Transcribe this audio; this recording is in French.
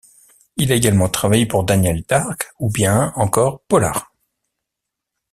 Il a également travaillé pour Daniel Darc ou bien encore Polar.